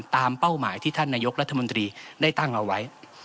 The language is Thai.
เป้าหมายที่ท่านนายกรัฐมนตรีได้ตั้งเอาไว้